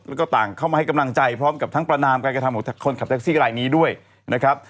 แล้วก็ต่างเข้ามาให้กำลังใจพร้อมกับทั้งประนามการกระทำของคนขับแท็กซี่รายนี้ด้วยนะครับ